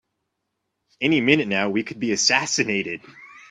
Any minute now we could be assassinated!